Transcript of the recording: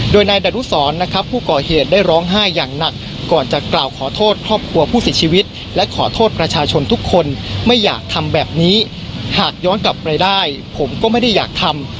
โดยนายดารุสรนะครับผู้ก่อเหตุได้ร้องไห้อย่างหนักก่อนจะกล่าวขอโทษครอบครัวผู้เสียชีวิตและขอโทษประชาชนทุกคนไม่อยากทำแบบนี้หากย้อนกลับไปได้ผมก็ไม่ได้อยากทำ